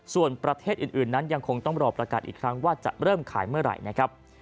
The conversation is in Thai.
ส่วนประเทศอื่นนั้นยังคงต้องรอประกาศอีกครั้งว่าจะเริ่มขายเมื่อไหร่นะครับ